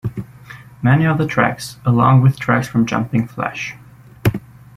Many of the tracks, along with tracks from Jumping Flash!